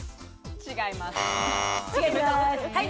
違います。